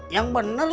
yang bener lu